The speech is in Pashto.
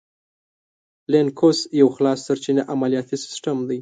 لینوکس یو خلاصسرچینه عملیاتي سیسټم دی.